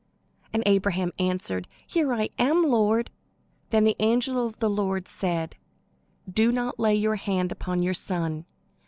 And Abraham answered, "Here I am, Lord." Then the angel of the Lord said: "Do not lay your hand upon your son.